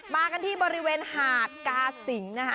มากันที่บริเวณหาดกาสิงนะคะ